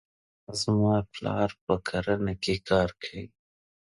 زما پلار په کرنې کې کار کوي.